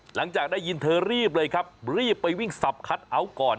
หลังจากได้ยินเธอรีบเลยครับรีบไปวิ่งสับคัทเอาท์ก่อน